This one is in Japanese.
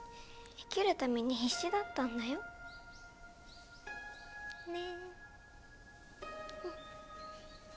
生きるために必死だったんだよ。ね。